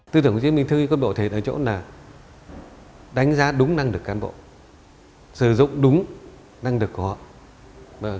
tư tưởng hồ chí minh thưa quân đội thầy ở chỗ này là đánh giá đúng năng lực cán bộ sử dụng đúng năng lực của họ